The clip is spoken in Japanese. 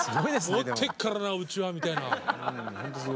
持ってっからなうちはみたいな。